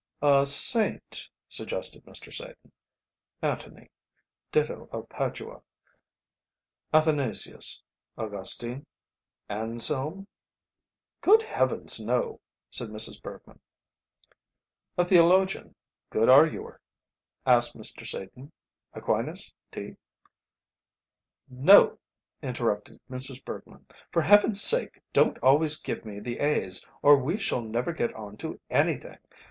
"A Saint?" suggested Mr. Satan, "Antony, Ditto of Padua, Athanasius, Augustine, Anselm?" "Good heavens, no," said Mrs. Bergmann. "A Theologian, good arguer?" asked Mr. Satan, "Aquinas, T?" "No," interrupted Mrs. Bergmann, "for heaven's sake don't always give me the A's, or we shall never get on to anything.